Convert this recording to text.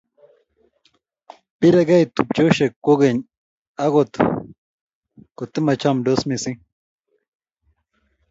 biregei tupchosiek kwekeny aku tukuchamsot mising